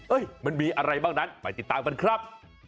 มันมีอะไรบ้างนั้นไปติดตามกันครับ